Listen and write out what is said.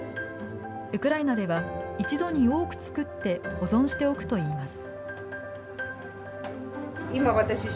ウクライナでは、一度に多く作って保存しておくといいます。